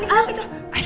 anin kenapa itu